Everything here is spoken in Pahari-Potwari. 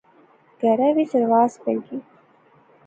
کہرے وچ رواس پئی گے